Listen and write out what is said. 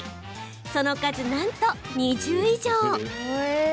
その数、なんと２０以上。